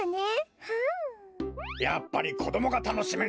やっぱりこどもがたのしめんといかんか。